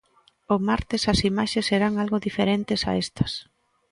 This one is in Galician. O martes as imaxes serán algo diferentes a estas.